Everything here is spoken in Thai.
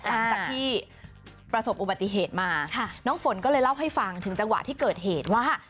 หลังจากที่ประสบอุบัติเหตุมาน้องฝนก็เลยเล่าให้ฟังถึงจังหวะที่เกิดเหตุว่า